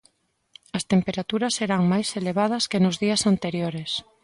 As temperaturas serán máis elevadas que nos días anteriores.